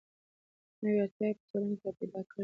نوې اړتیاوې یې په ټولنه کې را پیدا کړې دي.